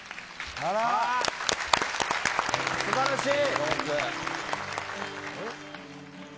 素晴らしい！